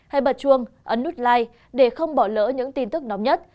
hãy bật chuông ấn nút like để không bỏ lỡ những tin tức nóng nhất